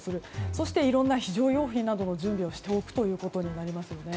そしていろんな非常用品などの準備をしておくということですね。